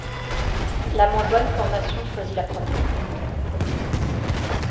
La moins bonne formation choisit la première.